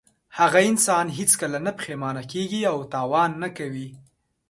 هغه انسان هېڅکله نه پښېمانه کیږي او تاوان نه کوي.